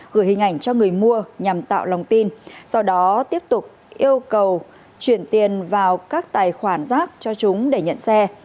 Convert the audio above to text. gửi hình ảnh cho người mua nhằm tạo lòng tin sau đó tiếp tục yêu cầu chuyển tiền vào các tài khoản rác cho chúng để nhận xe